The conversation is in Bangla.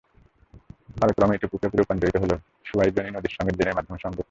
কালক্রমে এটি পুকুরে রূপান্তরিত হলেও সোয়াইজনি নদের সঙ্গে ড্রেনের মাধ্যমে সংযুক্ত।